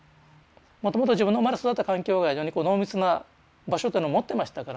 もともと自分の生まれ育った環境が非常に濃密な場所というのを持ってましたからね。